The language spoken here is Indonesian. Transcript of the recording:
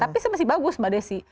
tapi itu masih bagus mbak desy